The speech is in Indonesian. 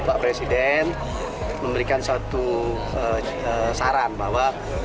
pak presiden memberikan suatu saran bahwa